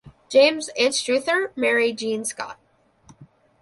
James Anstruther married Jean Scott.